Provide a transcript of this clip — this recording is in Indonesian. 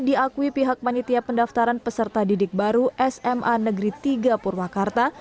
diakui pihak manitia pendaftaran peserta didik baru sma negeri tiga purwakarta